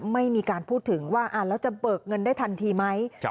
ไม่มีการพูดถึงว่าแล้วจะเบิกเงินได้ทันทีไหม